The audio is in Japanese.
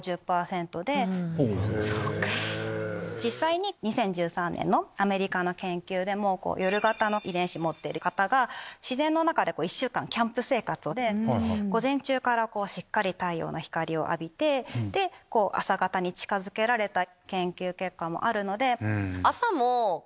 実際に２０１３年のアメリカの研究でも夜型の遺伝子持ってる方が自然の中で１週間キャンプ生活で午前中からしっかり太陽の光を浴びて朝型に近づけられた研究結果もあるので。